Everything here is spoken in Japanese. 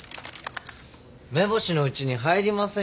目星のうちに入りませんよ。